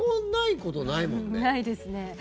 ないですね。